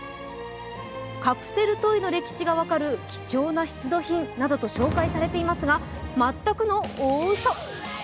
カプセルトイの歴史が分かる貴重な出土品などと紹介されていますが全くの大うそ。